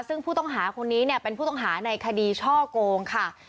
ซึ่งผู้ต้องหาคนนี้เนี่ยเป็นผู้ต้องหาในคดีช่อโกงค่ะ